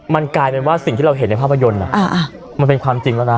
มันกลายเป็นว่าสิ่งที่เราเห็นในภาพยนตร์มันเป็นความจริงแล้วนะ